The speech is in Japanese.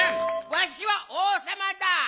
わしはおうさまだ。